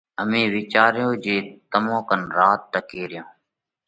امي وِيچاريو جي تمون ڪنَ رات ٽڪي ريون۔